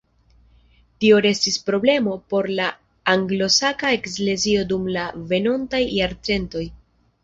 Tio restis problemo por la anglosaksa eklezio dum la venontaj jarcentoj.